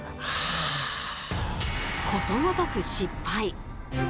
ことごとく失敗。